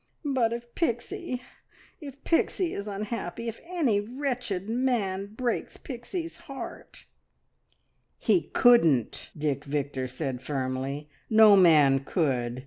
"But if P ixie if Pixie is unhappy if any wretched man breaks Pixie's heart " "He couldn't!" Dick Victor said firmly. "No man could.